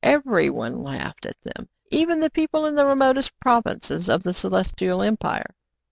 Every one laughed at them, even the people in the remotest provinces of the Celestial Empire.